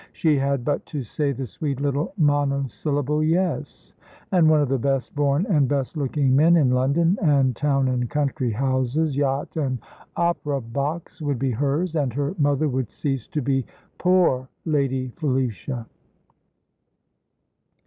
She had but to say the sweet little monosyllable "yes," and one of the best born and best looking men in London, and town and country houses, yacht and opera box, would be hers; and her mother would cease to be "poor Lady Felicia."